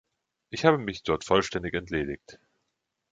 Ich habe mich dort vollständig entledigt.